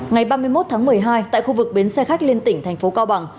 ngày ba mươi một tháng một mươi hai tại khu vực bến xe khách liên tỉnh thành phố cao bằng